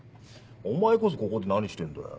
お前こそここで何してんだよ。